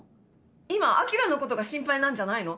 今、あきらのことが心配なんじゃないの？